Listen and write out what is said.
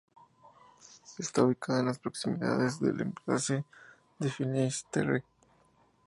Está ubicada en las proximidades del embalse de Finisterre.